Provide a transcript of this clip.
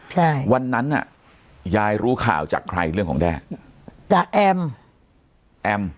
ใช่วันนั้นอ่ะยายรู้ข่าวจากใครเรื่องของแด้ด่าแอมแอม